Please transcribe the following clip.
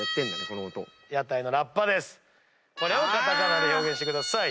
これをカタカナで表現してください。